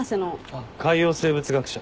あっ海洋生物学者。